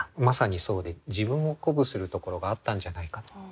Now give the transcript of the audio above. まさにそうで自分を鼓舞するところがあったんじゃないかと。